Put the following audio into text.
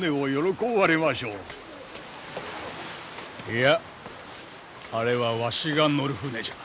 いやあれはわしが乗る船じゃ。